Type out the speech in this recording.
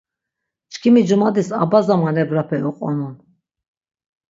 Çkimi cumadis Abaza manebrape uqonun.